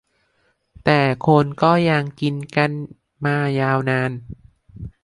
แต่คนก็ยังกินกันมายาวนาน